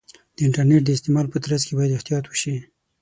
د انټرنیټ د استعمال په ترڅ کې باید احتیاط وشي.